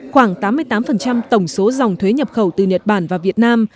khoảng tám mươi tám tổng số dòng thuế nhập khẩu từ nhật bản và việt nam